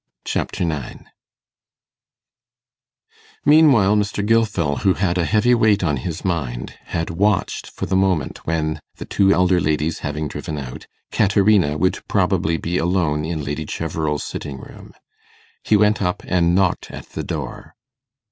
Chapter 9 Meanwhile Mr. Gilfil, who had a heavy weight on his mind, had watched for the moment when, the two elder ladies having driven out, Caterina would probably be alone in Lady Cheverel's sitting room. He went up and knocked at the door.